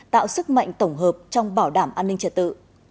tạo sức mạnh tổng hợp trong bảo đảm an ninh trật tự